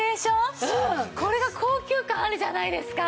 これが高級感あるじゃないですか。